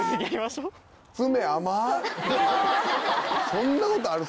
そんなことある？